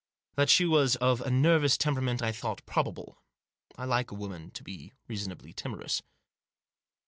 That she was of a nervous temperament I thought probable. I like a woman to be reasonably timorous.